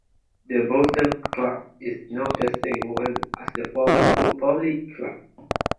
The Bootle club is not the same one as the former Football League club.